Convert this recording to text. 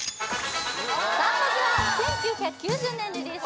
さあまずは１９９０年リリース